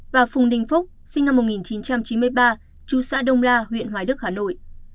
và phùng đinh phúc sinh năm một nghìn chín trăm chín mươi ba chú xã đông la huyện hoài đức hà nội